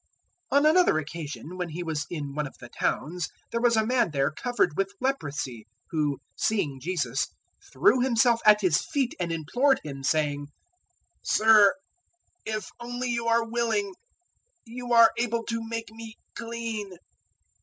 005:012 On another occasion, when He was in one of the towns, there was a man there covered with leprosy, who, seeing Jesus, threw himself at His feet and implored Him, saying, "Sir, if only you are willing, you are able to make me clean."